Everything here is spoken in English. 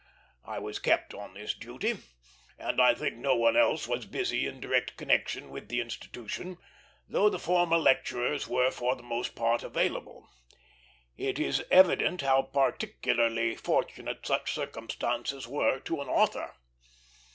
I was kept on this duty; and I think no one else was busy in direct connection with the institution, though the former lecturers were for the most part available. It is evident how particularly fortunate such circumstances were to an author.